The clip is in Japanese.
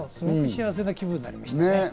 幸せな気分になりましたね。